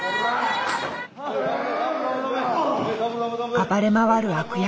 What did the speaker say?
暴れ回る悪役。